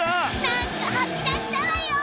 なんかはき出したわよ。